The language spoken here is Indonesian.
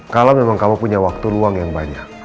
kalau memang kamu punya waktu luang yang banyak